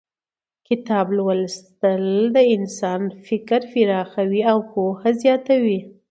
کتاب لوستل د انسان فکر پراخوي او پوهه زیاتوي